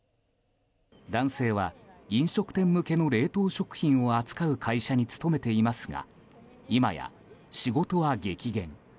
男性は、飲食店向けの冷凍食品を扱う会社に勤めていますが今や、仕事は激減。